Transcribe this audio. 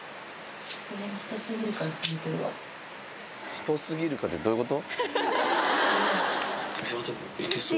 「人すぎるか」ってどういうこと？